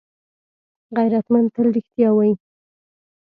غیرتمند تل رښتیا وايي